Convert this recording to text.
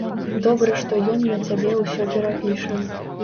Добра што ён на цябе ўсё перапіша.